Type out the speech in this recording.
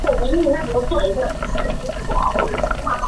到达陕北后作战负重伤。